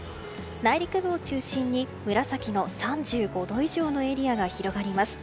内陸部を中心に紫の３５度以上のエリアが広がります。